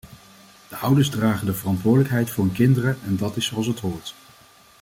De ouders dragen de verantwoordelijkheid voor hun kinderen en dat is zoals het hoort.